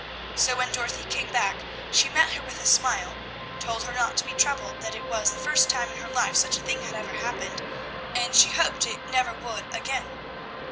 So when Dorothy came back she met her with a smile, told her not to be troubled, that it was the first time in her life such a thing had ever happened, and she hoped it never would again.